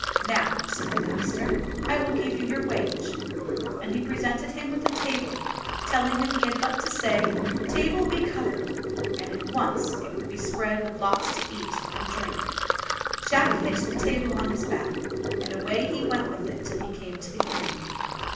"Now," said the master, "I will give you your wage" ; and he presented him with a table, telling him he had but to say, "Table, be covered," and at once it would be spread with lots to eat and drink. Jack hitched the table on his back, and away he went with it till he came to the inn.